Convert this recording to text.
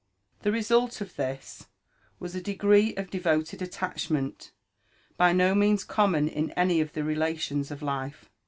The result of this was a degree of devoted attachment by no means common in any of the relations of life.